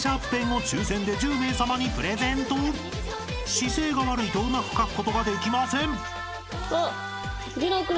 ［姿勢が悪いとうまく書くことができません］